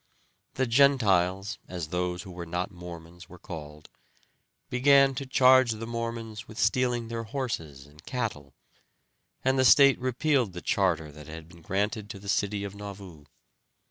The Gentiles, as those who were not Mormons were called, began to charge the Mormons with stealing their horses and cattle, and the state repealed the charter that had been granted to the city of Nauvoo.